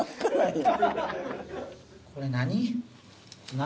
これ何？